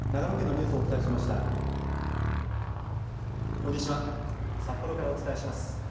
こんにちは、札幌からお伝えします。